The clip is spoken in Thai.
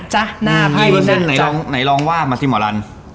หน้าไพ่นะจ๊ะ